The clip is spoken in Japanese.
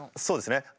そうですね。